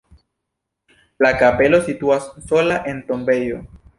La kapelo situas sola en tombejo.